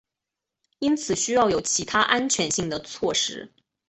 因此需要有其他安全性的措施。